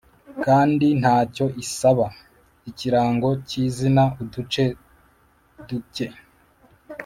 kandi ntacyo isaba, ikirango cyizina, uduce duke.